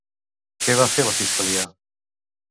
Què va fer la Fiscalia?